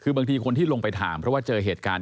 คือบางทีคนที่ลงไปถามเพราะว่าเจอเหตุการณ์